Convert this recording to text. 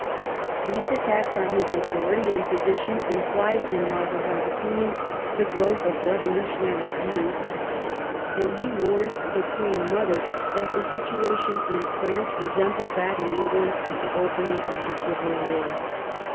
These attacks on his authority and position implied, in Mazarin's opinion, the growth of revolutionary views, and he warned the queen mother that the situation in France resembled that in England at the opening of the Civil War.